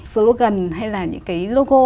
slogan hay là những cái logo